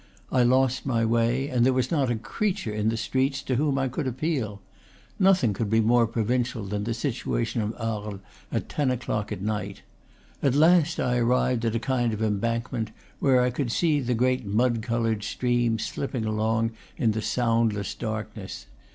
I lost my way, and there was not a creature in the streets to whom I could appeal. Nothing could be more pro vincial than the situation of Arles at ten o'clock at night. At last I arrived at a kind of embankment, where I could see the great mud colored stream slip ping along in the soundless darkness.